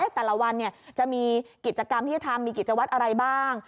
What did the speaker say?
แต่ละวันจะมีกิจกรรมที่จะทำมีกิจวัตรอะไรบ้าง